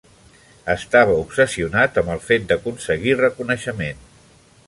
Estava obsessionat amb el fet d'aconseguir reconeixement.